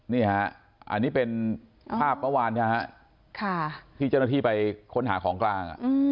นี่ฮะอันนี้เป็นภาพเมื่อวานที่เจ้าหน้าที่ไปค้นหาของกลาง